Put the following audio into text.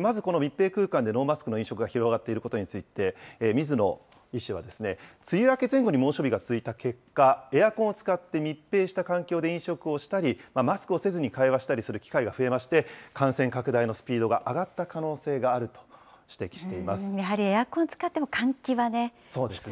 まずこの密閉空間でノーマスクの飲食が広がっていることについて、水野医師は、梅雨明け前後に猛暑日が続いた結果、エアコンを使って密閉した環境で飲食をしたり、マスクをせずに会話したりする機会が増えまして、感染拡大のスピードが上がった可能性があると指摘しています。